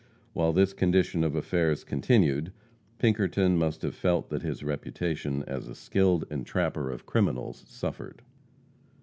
While this condition of affairs continued, Pinkerton must have felt that his reputation as a skillful entrapper of criminals suffered.